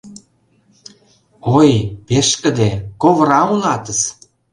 Ой, пешкыде, ковыра улатыс?..